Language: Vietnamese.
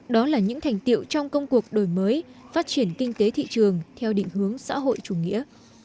đó là những thành tiệu trong công cuộc đổi mới phát triển kinh tế thị trường theo định hướng xã hội chủ nghĩa